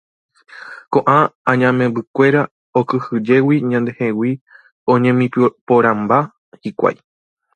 Ko'ã añamembykuéra okyhyjégui ñandehegui oñemiporãmba hikuái.